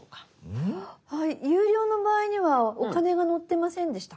有料の場合にはお金が載ってませんでしたっけ？